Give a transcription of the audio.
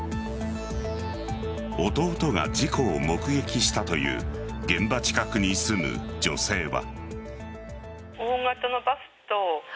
弟が事故を目撃したという現場近くに住む女性は。